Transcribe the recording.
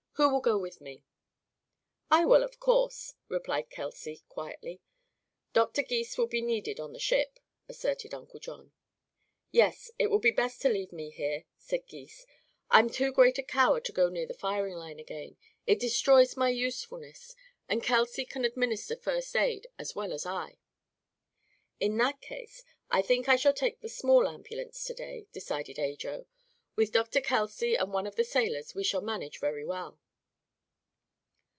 Who will go with me?" "I will, of course," replied Kelsey quietly. "Doctor Gys will be needed on the ship," asserted Uncle John. "Yes, it will be best to leave me here," said Gys. "I'm too great a coward to go near the firing line again. It destroys my usefulness, and Kelsey can administer first aid as well as I." "In that case, I think I shall take the small ambulance to day," decided Ajo. "With Dr. Kelsey and one of the sailors we shall manage very well."